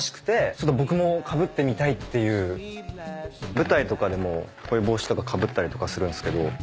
舞台とかでもこういう帽子とかかぶったりとかするんですけど。